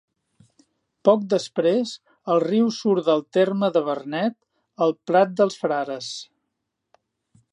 Poc després el riu surt del terme de Vernet al Prat dels Frares.